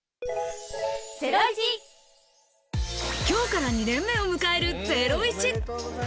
今日から２年目を迎える『ゼロイチ』。